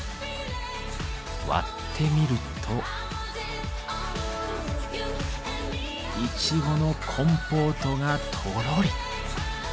割ってみるとイチゴのコンポートがとろり。